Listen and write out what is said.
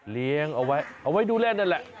เลี้ยงเอาไว้เอาไว้ดูแลนั่นแหละ